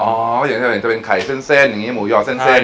อ๋ออย่างนี้จะเป็นไข่เส้นหมูยอเส้น